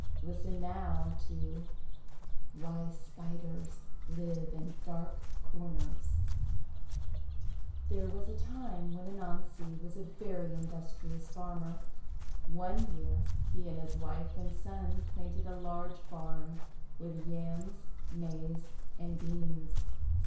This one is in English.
Listen now to WHY SPIDERS LIVE IN DARK CORNERS THERE was a time when Anansi was a very in dustrious farmer. One year he and his wife and son planted a large farm with Yams, Maize, and Beans.